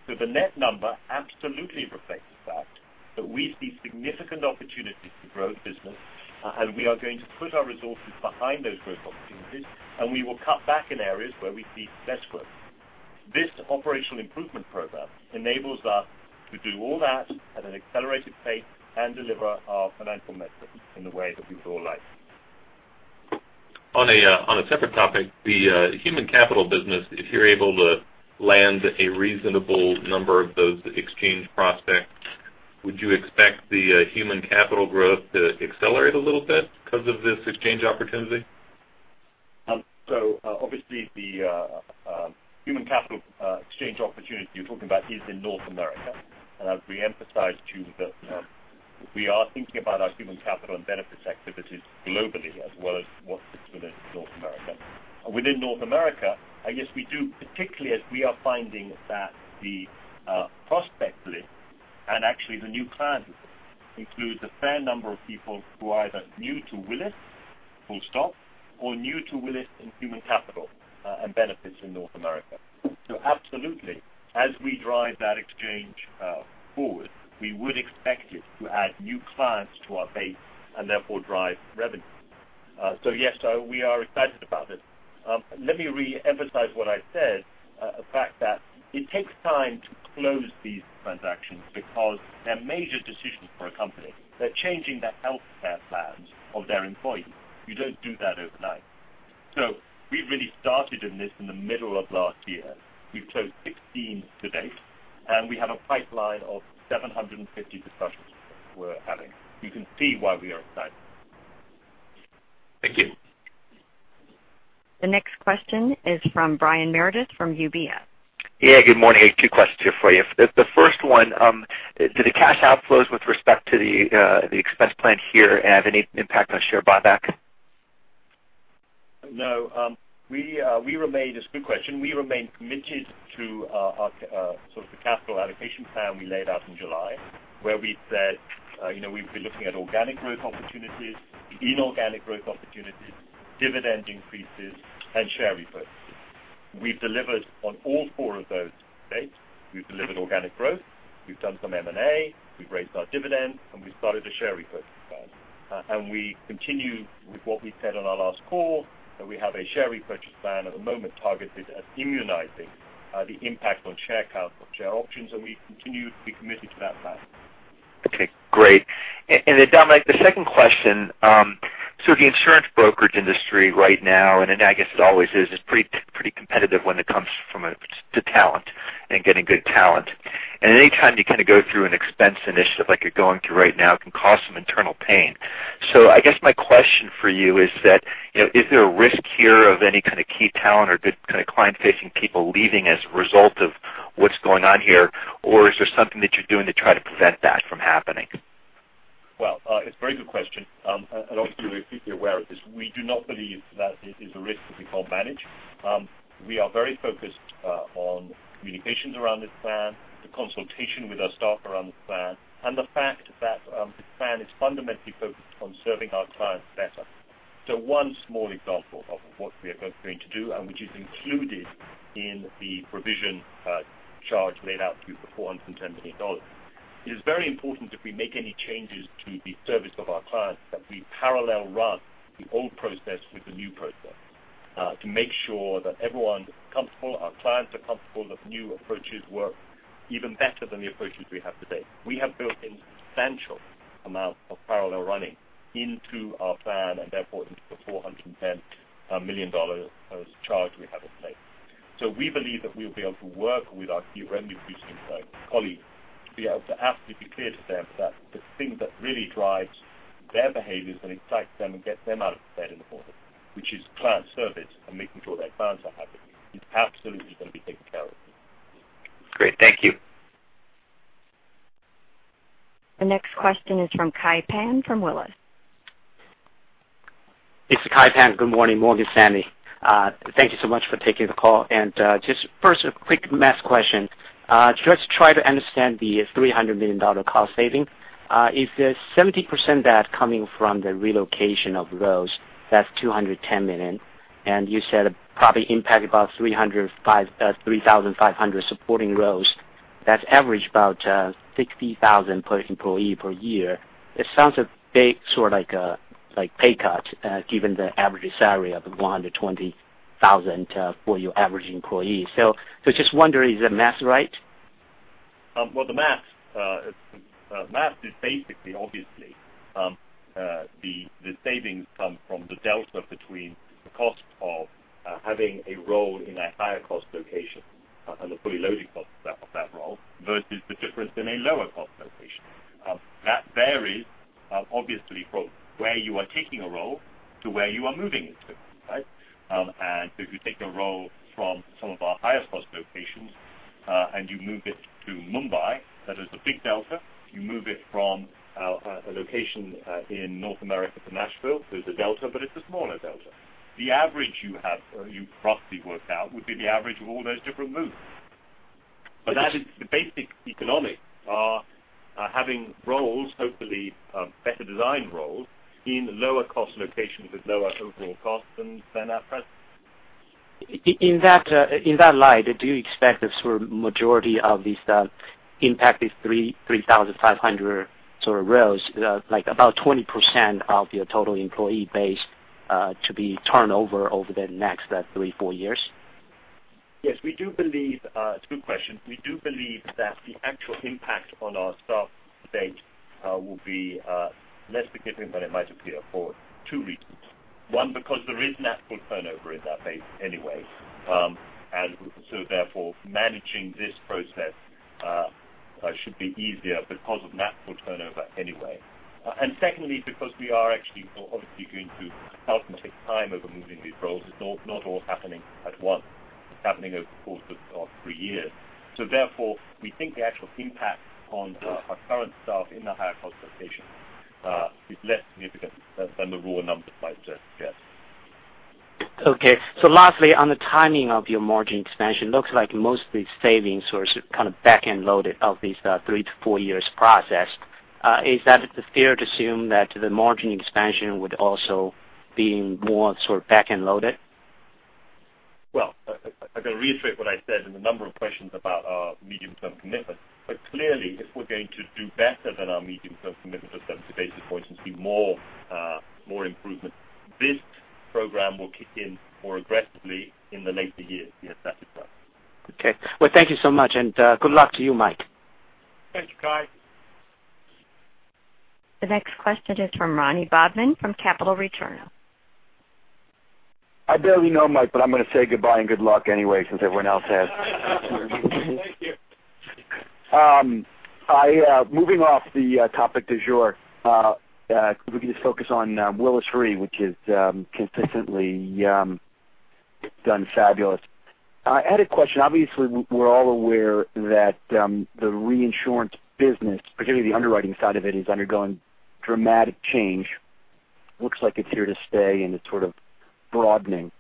The net number absolutely reflects the fact that we see significant opportunities to grow the business, and we are going to put our resources behind those growth opportunities, and we will cut back in areas where we see less growth. This operational improvement program enables us to do all that at an accelerated pace and deliver our financial metrics in the way that we would all like. On a separate topic, the human capital business, if you're able to land a reasonable number of those exchange prospects, would you expect the human capital growth to accelerate a little bit because of this exchange opportunity? Obviously the human capital exchange opportunity you're talking about is in North America. I would reemphasize to you that we are thinking about our human capital and benefits activities globally as well as what's within North America. Within North America, I guess we do, particularly as we are finding that the prospect list and actually the new client list includes a fair number of people who are either new to Willis full stop or new to Willis in human capital and benefits in North America. Absolutely, as we drive that exchange forward, we would expect it to add new clients to our base and therefore drive revenue. Yes, we are excited about this. Let me reemphasize what I said, the fact that it takes time to close these transactions because they're major decisions for a company. They're changing the healthcare plans of their employees. You don't do that overnight. We really started in this in the middle of last year. We've closed 16 to date, and we have a pipeline of 750 discussions we're having. You can see why we are excited. Thank you. The next question is from Brian Meredith from UBS. Yeah, good morning. Two questions here for you. The first one, do the cash outflows with respect to the expense plan here have any impact on share buyback? No. It's a good question. We remain committed to our capital allocation plan we laid out in July where we said we'd be looking at organic growth opportunities, inorganic growth opportunities, dividend increases and share repurchases. We've delivered on all four of those to date. We've delivered organic growth. We've done some M&A, we've raised our dividend, and we started a share repurchase plan. We continue with what we said on our last call, that we have a share repurchase plan at the moment targeted at immunizing the impact on share count of share options, and we continue to be committed to that plan. Okay, great. Dominic, the second question. The insurance brokerage industry right now, I guess it always is, it's pretty competitive when it comes from a talent and getting good talent. Anytime you go through an expense initiative like you're going through right now can cause some internal pain. I guess my question for you is that, is there a risk here of any kind of key talent or good kind of client-facing people leaving as a result of what's going on here? Is there something that you're doing to try to prevent that from happening? Well, it's a very good question. Obviously we're acutely aware of this. We do not believe that it is a risk that we can't manage. We are very focused on communications around this plan, the consultation with our staff around the plan, and the fact that the plan is fundamentally focused on serving our clients better. One small example of what we are going to do and which is included in the provision charge laid out to you for $410 million. It is very important if we make any changes to the service of our clients, that we parallel run the old process with the new process, to make sure that everyone's comfortable, our clients are comfortable, that new approaches work even better than the approaches we have today. We have built in substantial amounts of parallel running into our plan and therefore into the $410 million as a charge we have in place. We believe that we'll be able to work with our newly recruiting colleagues to be able to absolutely be clear to them that the thing that really drives their behaviors and excites them and gets them out of bed in the morning, which is client service and making sure their clients are happy, is absolutely going to be taken care of. Great. Thank you. The next question is from Kai Pan from Morgan Stanley. This is Kai Pan. Good morning, Morgan Stanley. Thank you so much for taking the call. Just first, a quick math question. Just try to understand the $300 million cost saving. If there is 70% that coming from the relocation of roles, that is $210 million. You said probably impact about 3,500 supporting roles. That is average about $60,000 per employee per year. It sounds a bit sort like a pay cut, given the average salary of $120,000 for your average employee. Just wondering, is the math right? Well, the math is basically, obviously, the savings come from the delta between the cost of having a role in a higher cost location and the fully loaded cost of that role versus the difference in a lower cost location. That varies obviously from where you are taking a role to where you are moving it to. Right? If you take a role from some of our highest cost locations, and you move it to Mumbai, that is the big delta. If you move it from a location in North America to Nashville, there is a delta, but it is a smaller delta. The average you roughly worked out would be the average of all those different moves. That is the basic economics are having roles, hopefully better designed roles in lower cost locations with lower overall costs than are present. In that light, do you expect the sort of majority of these impacted 3,500 sort of roles, like about 20% of your total employee base, to be turned over the next three, four years? Yes. It's a good question. We do believe that the actual impact on our staff to date will be less significant than it might appear for two reasons. One, because there is natural turnover in that base anyway. Therefore, managing this process should be easier because of natural turnover anyway. Secondly, because we are actually obviously going to deliberately take time over moving these roles. It's not all happening at once. It's happening over the course of three years. Therefore, we think the actual impact on our current staff in the higher cost locations is less significant than the raw numbers might suggest. Okay. Lastly, on the timing of your margin expansion, looks like most of these savings were sort of back end loaded of these three to four years process. Is that fair to assume that the margin expansion would also be more sort of back end loaded? Well, I've got to reiterate what I said in a number of questions about our medium-term commitment. Clearly, if we're going to do better than our medium-term commitment of 70 basis points and see more improvement, this program will kick in more aggressively in the later years. Yes, that is right. Okay. Well, thank you so much and good luck to you, Mike. Thank you, Kai. The next question is from Ron Bodman from Capital Returns. I barely know Mike, but I'm going to say goodbye and good luck anyway since everyone else has. Thank you. Moving off the topic du jour, if we could just focus on Willis Re, which has consistently done fabulous. I had a question. Obviously, we're all aware that the reinsurance business, particularly the underwriting side of it, is undergoing dramatic change. Looks like it's here to stay and it's sort of broadening.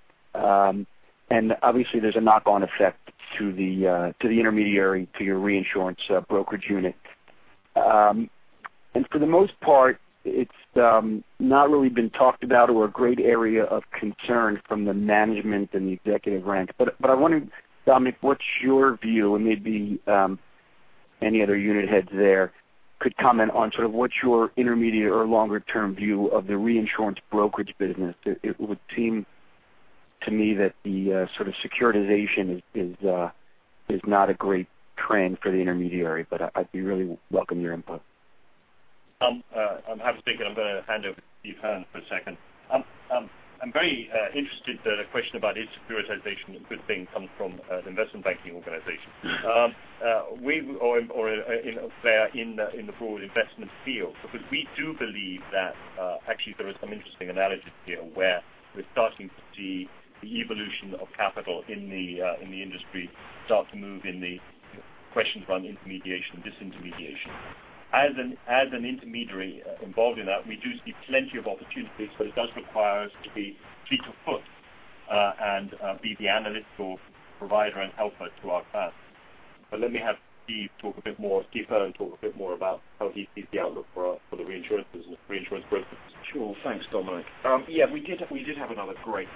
Obviously, there's a knock-on effect to the intermediary, to your reinsurance brokerage unit. For the most part, it's not really been talked about or a great area of concern from the management and the executive ranks. I wonder, Dominic, what's your view, and maybe any other unit heads there could comment on what's your intermediate or longer term view of the reinsurance brokerage business. It would seem to me that the sort of securitization is not a great trend for the intermediary, but I'd really welcome your input. I'm happy to speak, and I'm going to hand over to Steve Hearn for a second. I'm very interested that a question about is securitization a good thing coming from an investment banking organization. We are in the broad investment field, but we do believe that actually there are some interesting analogies here where we're starting to see the evolution of capital in the industry start to move in the questions around intermediation and disintermediation. As an intermediary involved in that, we do see plenty of opportunities, but it does require us to be feet to foot and be the analytical provider and helper to our clients. Let me have Steve Hearn talk a bit more about how he sees the outlook for the reinsurance business, reinsurance brokers. Sure. Thanks, Dominic. Yeah, we did have another great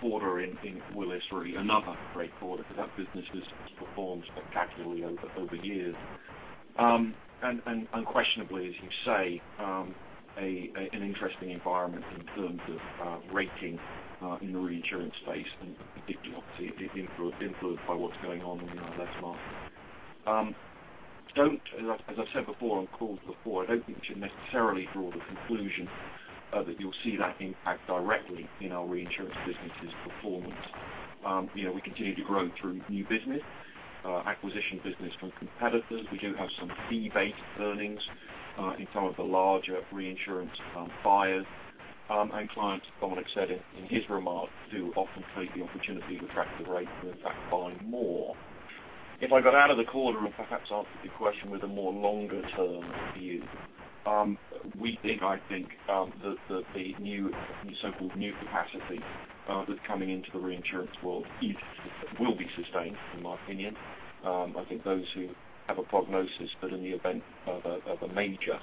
quarter in Willis Re, another great quarter, because that business has performed spectacularly over years. Unquestionably, as you say, an interesting environment in terms of rating in the reinsurance space and if you want to see it influenced by what's going on in the investment market. As I've said before on calls before, I don't think we should necessarily draw the conclusion that you'll see that impact directly in our reinsurance business's performance. We continue to grow through new business, acquisition business from competitors. We do have some fee-based earnings in some of the larger reinsurance buyers. Clients, Dominic said it in his remarks, do often take the opportunity to track the rate and in fact, buy more. If I got out of the quarter and perhaps answered your question with a more longer term view, we think, I think, that the so-called new capacity that's coming into the reinsurance world will be sustained, in my opinion. I think those who have a prognosis that in the event of a major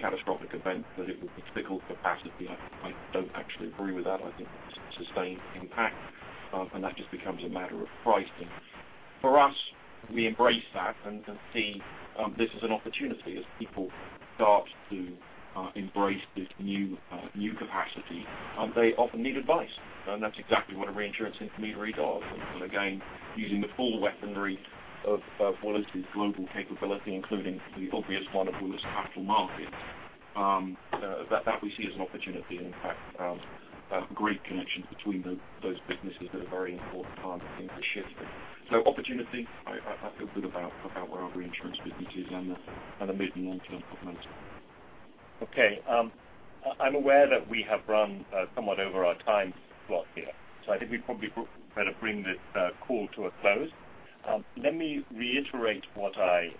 catastrophic event, that it would be difficult for capacity, I don't actually agree with that. I think it's a sustained impact, and that just becomes a matter of pricing. For us, we embrace that and see this as an opportunity as people start to embrace this new capacity. They often need advice, and that's exactly what a reinsurance intermediary does. Using the full weaponry of Willis's global capability, including the obvious one of Willis Capital Markets that we see as an opportunity, and in fact, great connections between those businesses that are very important to us in the shift. Opportunity I feel good about where our reinsurance business is and the mid- and long-term momentum. Okay. I'm aware that we have run somewhat over our time slot here, I think we probably better bring this call to a close. Let me reiterate what I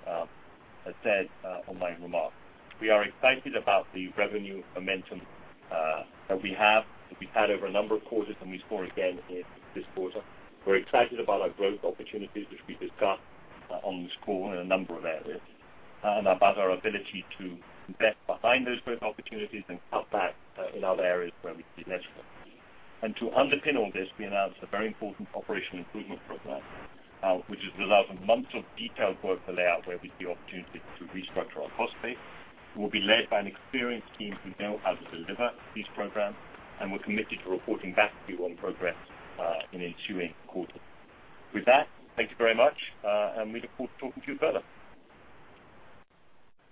said on my remarks. We are excited about the revenue momentum that we have, that we've had over a number of quarters, and we saw again in this quarter. We're excited about our growth opportunities, which we discussed on this call in a number of areas, and about our ability to invest behind those growth opportunities and cut back in other areas where we see less risk. To underpin all this, we announced a very important operational improvement program, which is the result of months of detailed work to lay out where we see opportunity to restructure our cost base. It will be led by an experienced team who know how to deliver these programs, and we're committed to reporting back to you on progress in ensuing quarters. With that, thank you very much, and we look forward to talking to you further.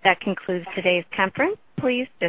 That concludes today's conference. Please disconnect